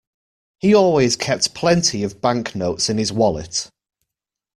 He always kept plenty of banknotes in his wallet